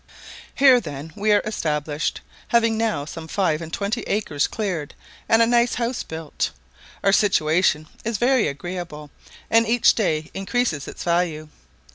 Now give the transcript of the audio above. Here, then, we are established, having now some five and twenty acres cleared, and a nice house built. Our situation is very agreeable, and each day increases its value.